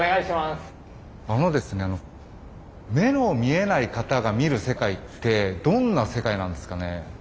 あのですねあの目の見えない方が見る世界ってどんな世界なんですかね？